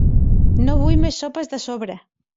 No vull més sopes de sobre.